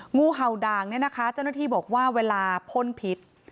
งูเห่าด่างเนี่ยนะคะเจ้าหน้าที่บอกว่าเวลาพ่นพิษ